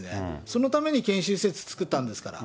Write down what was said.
そのために研修施設作ったんですから。